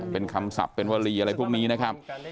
เป็นคำศัพท์เป็นวลีอะไรพวกนี้นะครับ